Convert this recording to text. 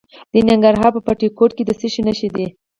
د ننګرهار په بټي کوټ کې د څه شي نښې دي؟